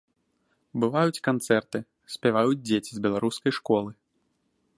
Бываюць канцэрты, спяваюць дзеці з беларускай школы.